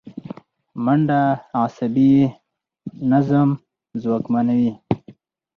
منډه عصبي نظام ځواکمنوي